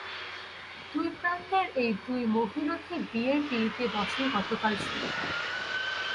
দুই প্রান্তের এই দুই মহীরথী বিয়ের পিঁড়িতে বসেন গতকাল শনিবার।